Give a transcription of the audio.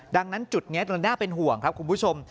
ดังนั้นจุดนี้น่าเป็นห่วงครับคุณผู้ชม